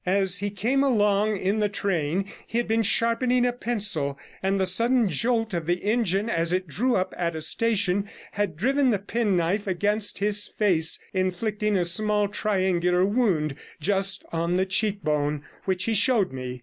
As he came along in the train, he had been sharpening a pencil, and the sudden jolt of the engine as it drew up at a station had driven the penknife against his face, inflicting a small triangular wound just on the cheek bone, which he showed me.